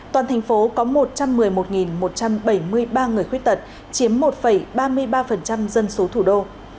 toàn thành phố có một trăm một mươi một một trăm bảy mươi ba người khuyết tật chiếm một ba mươi ba dân số thủ đô